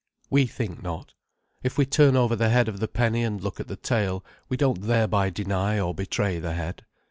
We think not. If we turn over the head of the penny and look at the tail, we don't thereby deny or betray the head.